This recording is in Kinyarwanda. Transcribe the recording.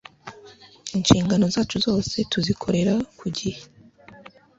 inshingano zacu zose tuzikorera kugihe